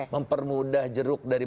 mempermudah jeruk dari